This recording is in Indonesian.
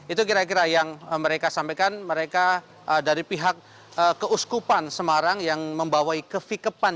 itu kira kira yang mereka sampaikan mereka dari pihak keuskupan semarang yang membawai kefikepan